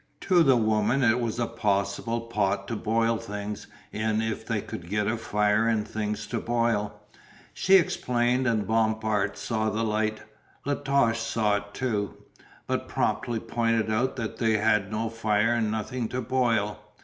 To the woman it was a possible pot to boil things in if they could get a fire and things to boil. She explained and Bompard saw the light. La Touche saw it, too, but promptly pointed out that they had no fire and nothing to boil.